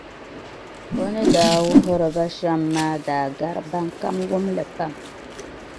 O ni daa wuhiri ba shɛm maa daa gari bɛnkam wum li pam.